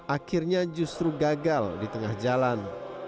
akhirnya justru gagal di tengah jalan